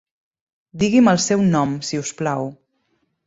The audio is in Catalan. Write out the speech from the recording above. Digui'm el seu nom si us plau.